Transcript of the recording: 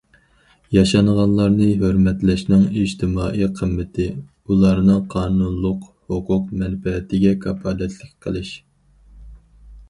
ياشانغانلارنى ھۆرمەتلەشنىڭ ئىجتىمائىي قىممىتى ئۇلارنىڭ قانۇنلۇق ھوقۇق مەنپەئەتىگە كاپالەتلىك قىلىش.